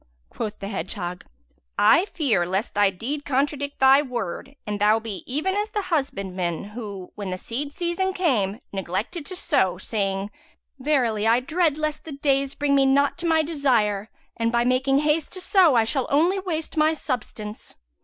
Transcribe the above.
Quoth the hedgehog, "I fear lest thy deed contradict thy word and thou be even as the husbandman who, when the seed season came, neglected to sow, saying, Verily I dread lest the days bring me not to my desire and by making hast to sow I shall only waste my substance!'